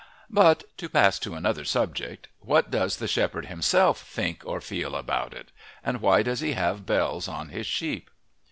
But to pass to another subject what does the shepherd himself think or feel about it; and why does he have bells on his sheep?